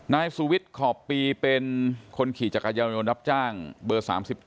นายสุวิทย์ขอบปีเป็นคนขี่จักรยานยนต์รับจ้างเบอร์๓๗